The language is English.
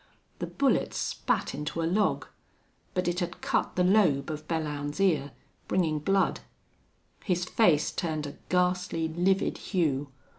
The bullet spat into a log. But it had cut the lobe of Belllounds's ear, bringing blood. His face turned a ghastly, livid hue.